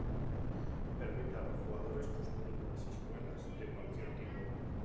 Permite a los jugadores construir unas escuelas de cualquier tipo.